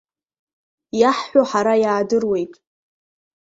Иаҳҳәо ҳара иаадыруеит.